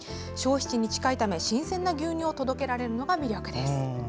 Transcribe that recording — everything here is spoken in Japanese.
消費地に近いため新鮮な牛乳を届けられるのが魅力です。